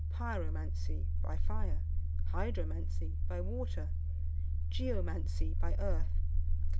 Pyromancy, by fire, Hydromancy, by water. Geomancy, by earth.